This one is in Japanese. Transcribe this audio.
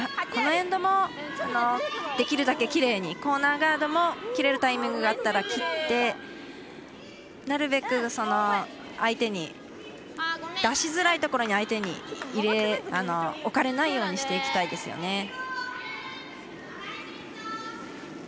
このエンドもできるだけきれいにコーナーガードも切れるタイミングがあったら切ってなるべく、出しづらいところに相手に置かれないようにしていきたいですよね。